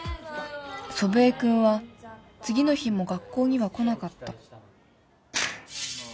祖父江君は次の日も学校には来なかった